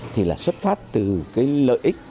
thì là xuất phát từ cái lợi ích